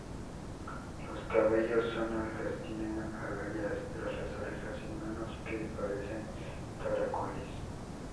Los cabellos son algas, tienen agallas tras las orejas y manos que parecen caracoles.